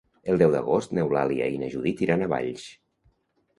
El deu d'agost n'Eulàlia i na Judit iran a Valls.